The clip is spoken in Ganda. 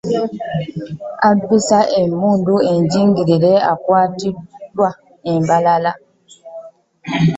Abbisa emmundu enjingirire akwatiddwa e Mbarara